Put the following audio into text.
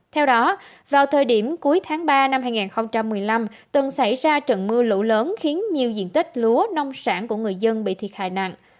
theo đó vào thời điểm cuối tháng ba năm hai nghìn một mươi năm từng xảy ra trận mưa lũ lớn khiến nhiều diện tích lúa nông sản của người dân bị thiệt hại nặng